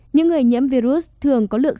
những người nhiễm virus thường có lượng